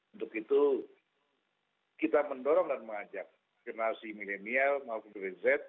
untuk itu kita mendorong dan mengajak generasi milenial maupun generasi z